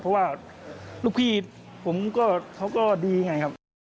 เพราะว่าลูกพี่ผมก็เขาก็ดีไงครับ